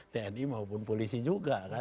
tni maupun polisi juga